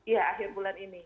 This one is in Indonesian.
ya akhir bulan ini